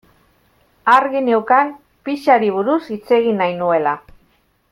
Argi neukan pixari buruz hitz egin nahi nuela.